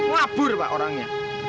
terus ngabur mbak orangnya